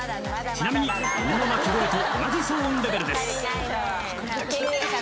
ちなみに犬の鳴き声と同じ騒音レベルです